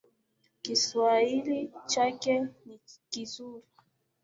Kiswahili chake ni kizuri